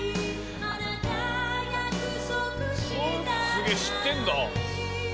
すげえ知ってるんだ。